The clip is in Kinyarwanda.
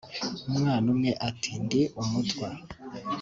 umwana umwe ati ndi Umutwa